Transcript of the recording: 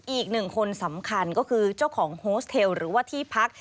อีกหนึ่งคนสำคัญก็คือเจ้าของโฮสเทลหรือว่าที่พัก